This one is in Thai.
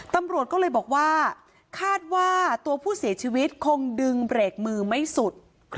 ตำรวจก็เลยบอกว่าคาดว่าตัวผู้เสียชีวิตคงดึงเบรกมือไม่สุด